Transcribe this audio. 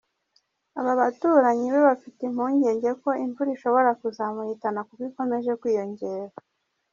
Aba baturanyi be bafite impungenge ko imvura ishobora kuzamuhitana, kuko ikomeje kwiyongera.